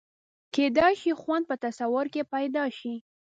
کېدای شي خوند په تصور کې پیدا شي.